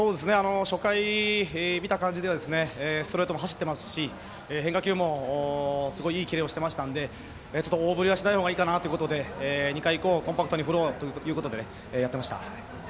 初回見た感じではストレートも走っていますし変化球も、すごいいいキレをしていましたので大振りはしない方がいいかなということで、２回以降はコンパクトに振ろうということでやっていました。